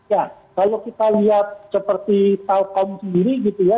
ya kalau kita lihat seperti telkom sendiri gitu ya